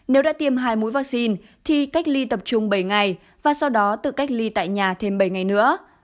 nếu đã tiêm hai mũi vaccine thì cách ly tập trung bảy ngày và sau đó tự cách ly tại nhà thêm bảy ngày nữa